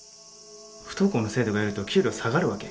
不登校の生徒がいると給料下がるわけ？